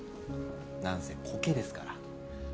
なんせ苔ですから。